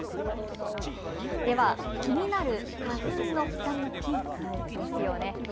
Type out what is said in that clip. では気になる花粉の飛散のピークですよね。